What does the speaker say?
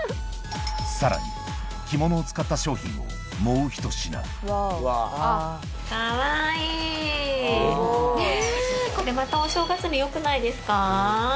さらに着物を使った商品をもうひと品ねっこれまたお正月によくないですか。